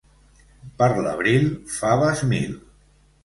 Per l'abril, faves mil.